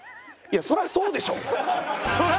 いやそらそうでしょ！